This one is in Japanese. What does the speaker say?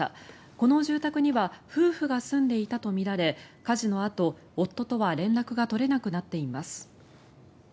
この住宅には夫婦が住んでいたとみられ火事のあと、夫とは連絡が取れなくなっています。